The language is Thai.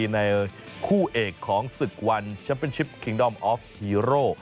ในคู่เอกของศึกวันแชมป์เป็นชิปคิงดอมออฟฮีโร่